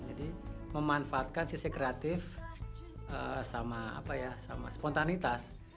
jadi memanfaatkan sisi kreatif sama spontanitas